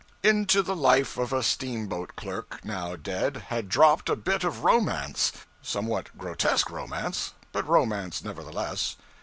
Into the life of a steamboat clerk, now dead, had dropped a bit of romance somewhat grotesque romance, but romance nevertheless.